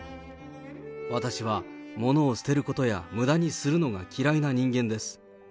私は物を捨てることやむだにするのが嫌いな人間です。